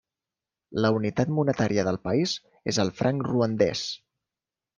La unitat monetària del país és el franc ruandès.